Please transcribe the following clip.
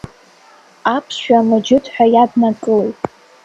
Аԥсшәа Мыџьыҭ ҳәа иаднакылеит.